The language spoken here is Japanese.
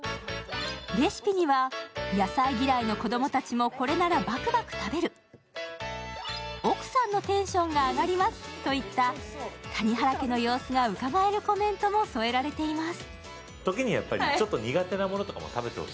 レシピには野菜嫌いの子供たちもこれならバクバク食べる、奥さんのテンションが上がりますといった谷原家の様子がうかがえるコメントも添えられています。